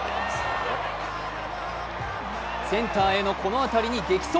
センターへのこの当たりに激走。